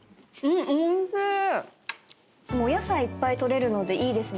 お野菜いっぱい取れるのでいいですね。